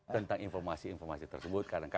tentang informasi informasi tersebut